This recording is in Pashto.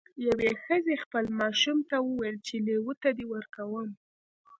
یوې ښځې خپل ماشوم ته وویل چې لیوه ته دې ورکوم.